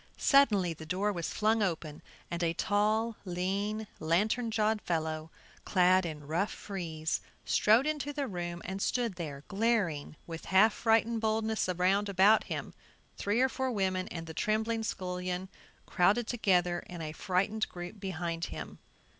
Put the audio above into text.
Suddenly the door was flung open and a tall, lean, lantern jawed fellow, clad in rough frieze, strode into the room and stood there glaring with half frightened boldness around about him; three or four women and the trembling scullion crowded together in a frightened group behind him.